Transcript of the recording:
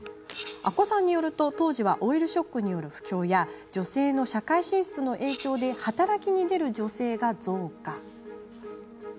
阿古さんによると、当時はオイルショックによる不況や女性の社会進出の影響で働きに出る女性が増加。